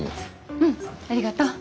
うんありがとう。